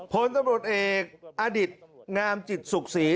พลตำรวจเอกอดิตงามจิตสุขศรี